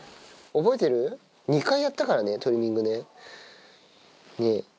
覚えてる？２回やったからねトリミングね。ねぇ。